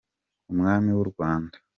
umwami w’u Rwanda.